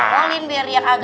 popolin biar ria agak rame